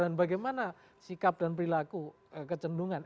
dan bagaimana sikap dan perilaku kecendungan